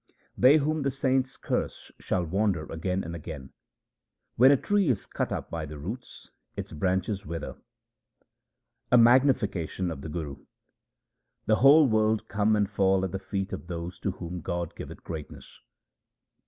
They whom the saints curse shall wander again and again : When a tree is cut up by the roots, its branches wither. A magnification of the Guru :— The whole world come and fall at the feet of those to whom God giveth greatness.